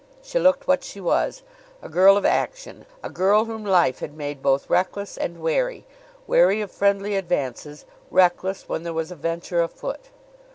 She looked what she was a girl of action; a girl whom life had made both reckless and wary wary of friendly advances, reckless when there was a venture afoot.